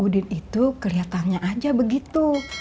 udin itu kelihatannya aja begitu